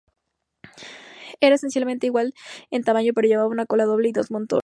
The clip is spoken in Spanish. Era esencialmente igual en tamaño, pero llevaba una cola doble y dos motores.